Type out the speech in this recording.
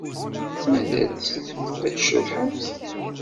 Mazal tessnemt ad tceḍḥemt?